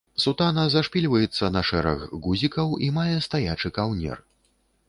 Сутана зашпільваецца на шэраг гузікаў і мае стаячы каўнер.